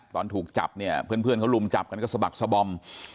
ตอนถูกจับเนี่ยเพื่อนเขาลุมจับกันก็สะบักสบอม